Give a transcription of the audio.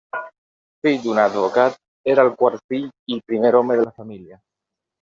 Fill d'un advocat, era el quart fill i primer home de la família.